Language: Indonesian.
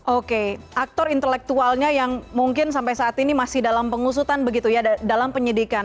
oke aktor intelektualnya yang mungkin sampai saat ini masih dalam pengusutan begitu ya dalam penyidikan